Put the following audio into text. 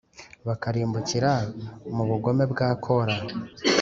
bakarimbukira mu bugome bwa kōra